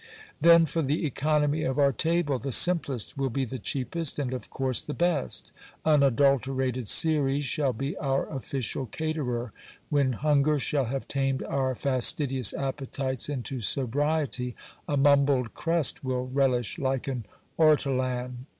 Then for the economy of our table, the simplest will be the cheapest, and of course the best. Unadulterated Ceres shall be our official caterer: when hunger shall have tamed our fastidious appetites into sobriety, a mumbled crust will relish like an ortolan.